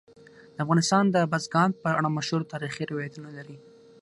افغانستان د بزګان په اړه مشهور تاریخی روایتونه لري.